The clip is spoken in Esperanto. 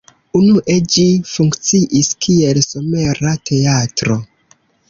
Unue ĝi funkciis kiel somera teatro.